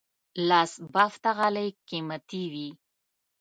لاس بافته غالۍ قیمتي وي.